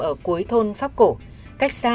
ở cuối thôn pháp cổ cách xa